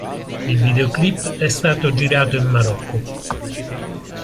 Il videoclip è stato girato in Marocco.